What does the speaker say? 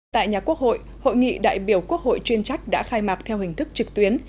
tại nhà quốc hội hội nghị đại biểu quốc hội chuyên trách đã khai mạc theo hình thức trực tuyến